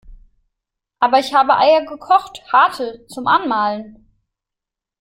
Aber ich habe Eier gekocht, harte, zum Anmalen.